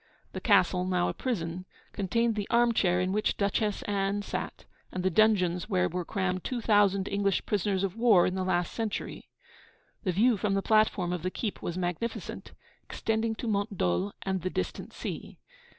The castle, now a prison, contained the arm chair in which Duchess Anne sat, and the dungeons where were crammed two thousand English prisoners of war in the last century. The view from the platform of the keep was magnificent, extending to Mont Dol and the distant sea.